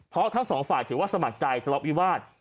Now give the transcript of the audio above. เพราะทั้งสองฝ่ายถือว่าสมัครใจทะเลาะวิวาส